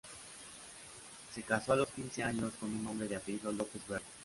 Se casó a los quince años, con un hombre de apellido López Verde.